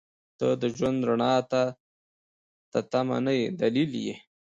• ته د ژوند رڼا ته تمه نه، دلیل یې.